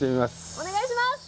お願いします！